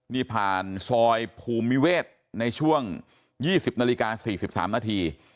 นี่ผ่านซอยภูมิเวศในช่วง๒๐นาฬิกา๔๓นาที